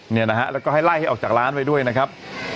เนี่ยนะฮะแล้วก็ให้ไล่ให้ออกจากร้านไปด้วยนะครับ